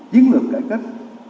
chiến lược cải cách